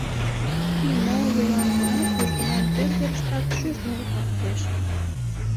Имне ныл йолан гынат, южгунам тӧр верыштак шӱртнен камвозеш.